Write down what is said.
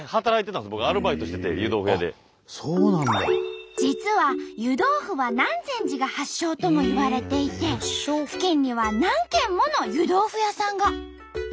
ここね実は湯豆腐は南禅寺が発祥ともいわれていて付近には何軒もの湯豆腐屋さんが。